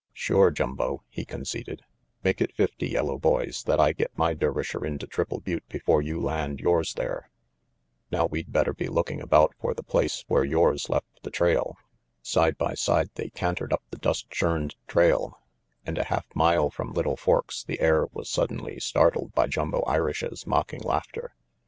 "Sure, Jumbo," he conceded, "make it fifty yellow boys that I get my Dervisher into Triple Butte before you land yours there. Now we'd better RANGY PETE 67 be looking about for the place where yours left the trail." Side by side they cantered up the dust churned trail, and a half mile from Little Forks the air was suddenly startled by Jumbo Irish's mocking laughter.